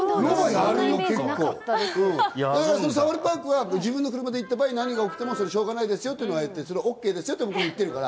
やるよ、サファリパークは自分の車で行った場合、何が起きてもしょうがないですよと言っていて、ＯＫですよと言っていますから。